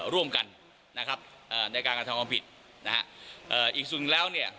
ร่วมกันนะครับเอ่อในการการธรรมภิตนะฮะเอ่ออีกสุดอีก